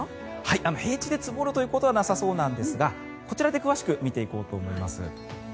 平地で積もるということはなさそうなんですがこちらで詳しく見ていこうと思います。